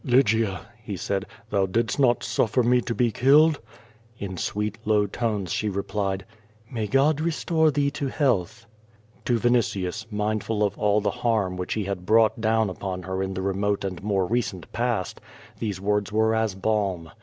"Lygia," ho said, "thou didst not suffer me to be killed!" In sweet, low tones she replied: "May God restore thee to health." To Vinitius, mindful of all the harm which he had brouglit 0170 VADT8, l83 down upon her in the remote and more recent past, those words were as balm.